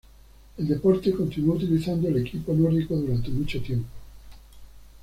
El deporte continuó utilizando el equipo nórdico durante mucho tiempo.